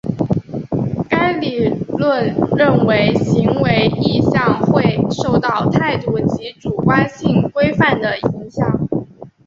该理论认为行为意向会受到态度及主观性规范的影响。